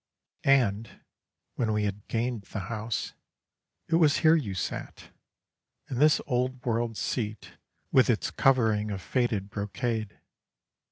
And, when we had gained the house, it was here you sat, in this old world seat, with its covering of faded brocade.